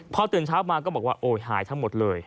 พอตื่นเช้ามาก็บอกว่าโอ้ยหายทั้งหมดเลย